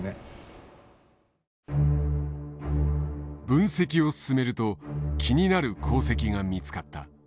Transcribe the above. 分析を進めると気になる航跡が見つかった。